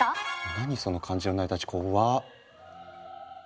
何その漢字の成り立ちこっわ。